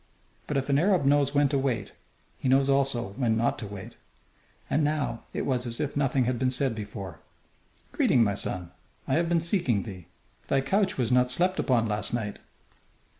But if an Arab knows when to wait, he knows also when not to wait. And now it was as if nothing had been said before. "Greeting, my son. I have been seeking thee. Thy couch was not slept upon last night."